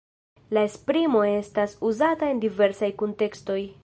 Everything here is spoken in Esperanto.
La esprimo estas uzata en diversaj kuntekstoj.